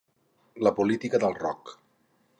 La política del rock.